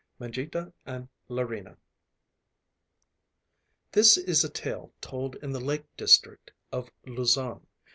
Mangita and Larina This is a tale told in the lake district of Luzon.